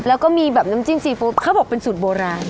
แล้วก็มีแบบน้ำจิ้มซีฟู้ดเขาบอกเป็นสูตรโบราณ